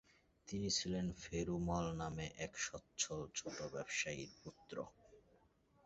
তিনি ছিলে ফেরু মল নামে এক সচ্ছল ছোটো ব্যবসায়ীর পুত্র।